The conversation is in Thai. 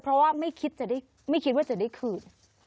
เพราะว่าไม่คิดว่าจะได้คืน